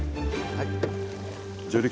はい。